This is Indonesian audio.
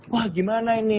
wah gimana ini